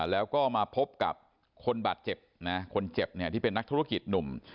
แล้วก็มาพบกับคนบาดเจ็บนะคนเจ็บเนี่ยที่เป็นนักธุรกิจหนุ่ม